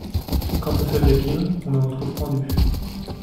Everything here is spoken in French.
Quant au soldat Kim, on le retrouve pendu.